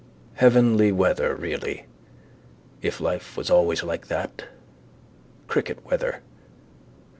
Heavenly weather really. If life was always like that. Cricket weather.